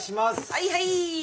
はいはい。